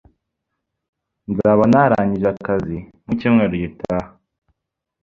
Nzaba narangije akazi mu cyumweru gitaha.